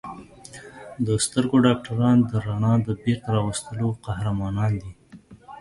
د سترګو ډاکټران د رڼا د بېرته راوستلو قهرمانان دي.